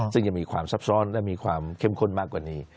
ซึ่งจะมีความซับซ้อนและมีความเข้มข้นมากกว่านี้